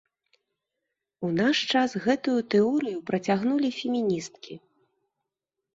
У наш час гэтую тэорыю працягнулі феміністкі.